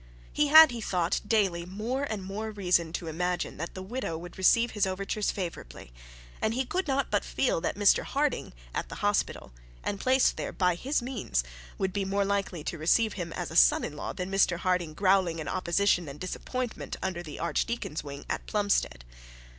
He had, he thought, daily more and more reason to imagine that the widow would receive his overtures favourably, and he could not but feel that Mr Harding at the hospital, and placed there by his means would be more likely to receive him as a son in law, than Mr Harding growling in opposition and disappointment under the archdeacon's wing at Plumstead.